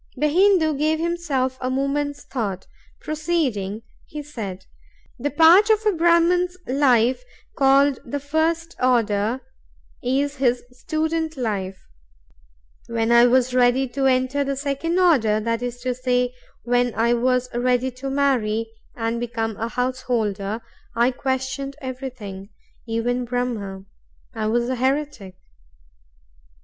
The Hindoo gave himself a moment's thought; proceeding, he said: "The part of a Brahman's life called the first order is his student life. When I was ready to enter the second order—that is to say, when I was ready to marry and become a householder—I questioned everything, even Brahm; I was a heretic.